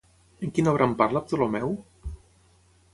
En quina obra en parla Ptolomeu?